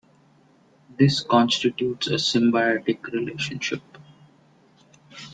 This constitutes a symbiotic relationship.